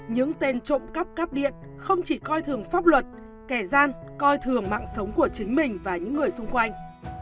những tên trộm cắp cáp điện không chỉ coi thường pháp luật kẻ gian coi thường mạng sống của chính mình và những người xung quanh